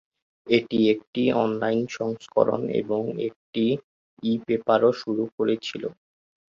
এটি একটি অনলাইন সংস্করণ এবং একটি ই-পেপারও শুরু করেছিল।